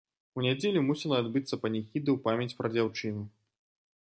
У нядзелю мусіла адбыцца паніхіда ў памяць пра дзяўчыну.